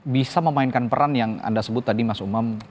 bisa memainkan peran yang anda sebut tadi mas umam